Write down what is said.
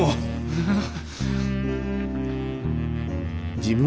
ハハハハ。